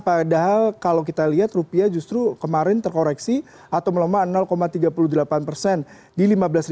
padahal kalau kita lihat rupiah justru kemarin terkoreksi atau melemah tiga puluh delapan persen di lima belas tiga ratus